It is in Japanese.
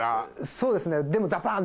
そうですねでも。